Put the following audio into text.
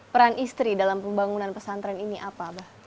peran istri dalam pembangunan pesantren ini apa abah